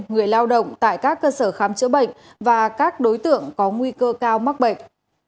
người lao động tại các cơ sở khám chữa bệnh và các đối tượng có nguy cơ cao mắc bệnh